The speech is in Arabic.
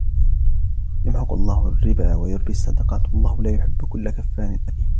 يَمْحَقُ اللَّهُ الرِّبَا وَيُرْبِي الصَّدَقَاتِ وَاللَّهُ لَا يُحِبُّ كُلَّ كَفَّارٍ أَثِيمٍ